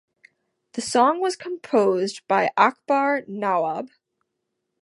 The song was composed by Akbar Nawab.